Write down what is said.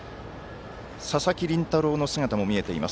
佐々木麟太郎の姿も見えています。